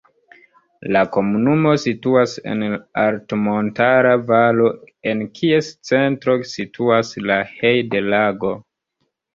La komunumo situas en altmontara valo en kies centro situas la Heide-Lago.